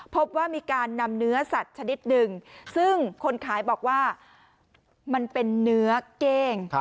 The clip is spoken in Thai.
พบว่ามีการนำเนื้อสัตว์ชนิดหนึ่งซึ่งคนขายบอกว่ามันเป็นเนื้อเก้ง